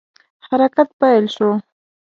حرکت پیل شو.